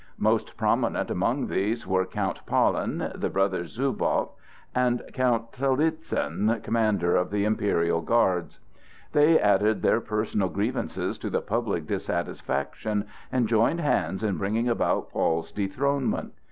Most prominent among these were Count Pahlen, the brothers Zubow, and Count Talizin, commander of the Imperial Guards. They added their personal grievances to the public dissatisfaction, and joined hands in bringing about Paul's dethronement.